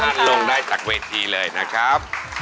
ส่งน้องอันลงได้จากเวทีเลยนะครับ